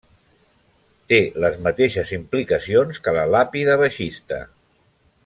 Té les mateixes implicacions que la Làpida baixista.